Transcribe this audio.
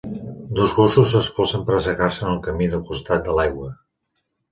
Dos gossos s'espolsen per assecar-se en el camí del costat de l'aigua.